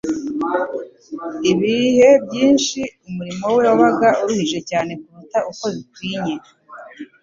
Ibihe byinshi umurimo we wabaga uruhije cyane kuruta uko bikwinye,